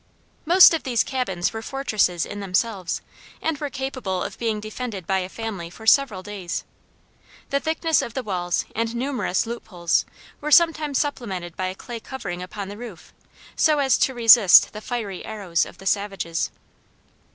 Most of these cabins were fortresses in themselves, and were capable of being defended by a family for several days. The thickness of the walls and numerous loop poles were sometimes supplemented by a clay covering upon the roof, so as to resist the fiery arrows of the savages.